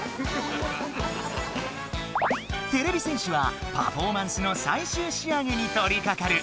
てれび戦士はパフォーマンスのさいしゅうしあげにとりかかる。